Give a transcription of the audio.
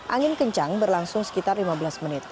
angin kencang berlangsung sekitar lima belas menit